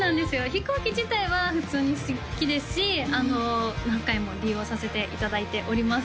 飛行機自体は普通に好きですし何回も利用させていただいております